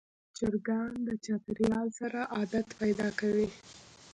چرګان د چاپېریال سره عادت پیدا کوي.